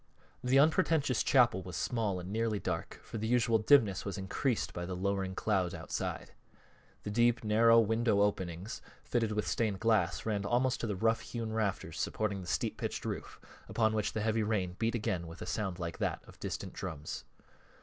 The unpretentious chapel was small and nearly dark, for the usual dimness was increased by the lowering clouds outside. The deep, narrow window openings, fitted with stained glass, ran almost to the rough hewn rafters supporting the steep pitched roof, upon which the heavy rain beat again with a sound like that of distant drums.